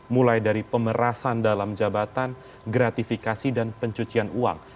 mulai dari pemerasan dalam jabatan gratifikasi dan pencucian uang